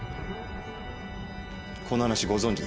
この話ご存じですか？